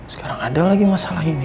sekarang ada lagi masalah ini